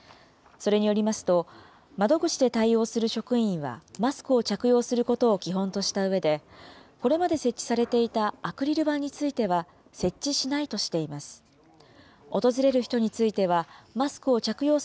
それによりますと、窓口で対応する職員はマスクを着用することを基本としたうえで、これまで設置されていたアクリル板については、設置しないとしています。